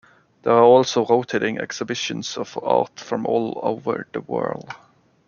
There are also rotating exhibitions of art from all over the world.